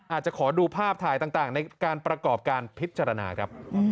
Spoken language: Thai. อาจจะขอดูภาพถ่ายต่างในการประกอบการพิจารณาครับ